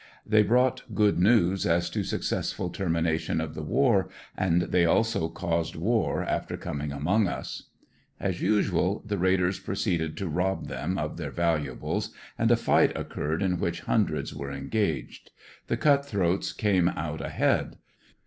They brought good news as to successful termination of the war, and they also caused war after coming among us. As usual the rg^iders proceed ed to rob them of their valuables and a fight occurred in which hundreds were engaged. The cut throats came out ahead.